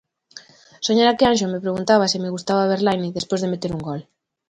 Soñara que Anxo me preguntaba se me gustaba Verlaine despois de meter un gol.